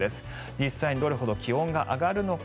実際にどれほど気温が上がるのか。